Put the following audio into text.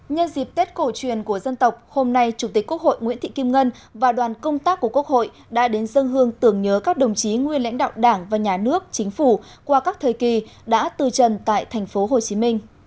nhân dịp tết cổ truyền của dân tộc hôm nay chủ tịch quốc hội nguyễn thị kim ngân và đoàn công tác của quốc hội đã đến dân hương tưởng nhớ các đồng chí nguyên lãnh đạo đảng và nhà nước chính phủ qua các thời kỳ đã từ trần tại tp hcm